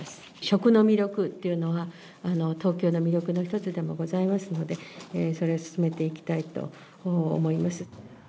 食の魅力というのは、東京の魅力の一つでもございますので、それを進めていきたいと思います。